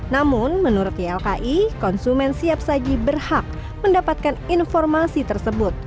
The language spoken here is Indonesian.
namun menurut ylki konsumen siap saji berhak mendapatkan informasi tersebut